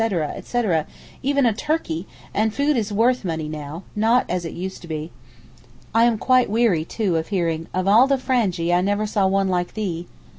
etc. even a turkey, and food is worth money now, not as it used to be. I am quite weary too of hearing 'Of all the Frangee I never saw one like thee.